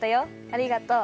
ありがとう！